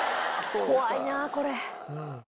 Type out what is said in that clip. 怖いなこれ。